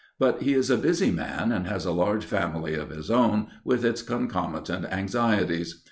But he is a busy man, and has a large family of his own, with its concomitant anxieties.